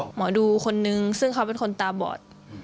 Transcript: หมอดูคนนึงซึ่งเขาเป็นคนตาบอด